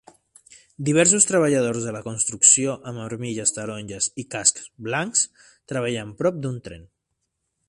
Diversos treballadors de la construcció amb armilles taronges i cascs blancs treballen prop d'un tren.